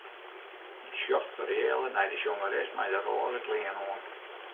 Hy sjocht fereale nei de sjongeres mei de rôze klean oan.